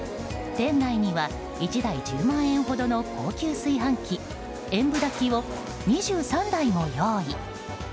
店内には１台１０万円ほどの高級炊飯器炎舞炊きを２３台も用意。